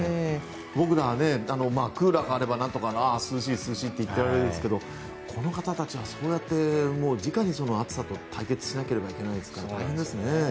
僕らはクーラーがあれば何とか涼しいって言っていられますけどこの方たちはそうやって直に暑さと対決しなければいけないから大変ですね。